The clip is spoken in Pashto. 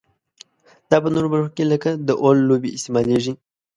دا په نورو برخو کې لکه د اور لوبې استعمالیږي.